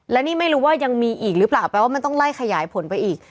และนี่ไม่รู้ว่ายังมีอีกหรือเปล่าแปลว่ามันต้องไล่ขยายผลไปอีก